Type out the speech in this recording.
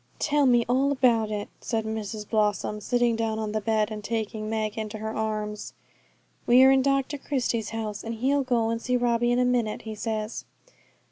'Tell me all about it,' said Mrs Blossom, sitting down on the bed and taking Meg into her arms. 'We're in Dr Christie's house, and he'll go and see Robbie in a minute, he says.'